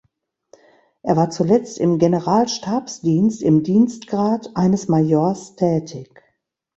Er war zuletzt im Generalstabsdienst im Dienstgrad eines Majors tätig.